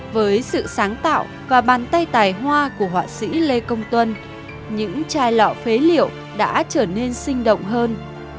với sự sáng tạo và bàn tay tài hoa của họa sĩ lê công tuân những chai lọ phế liệu đã trở nên sinh động hơn